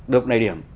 được cái này điểm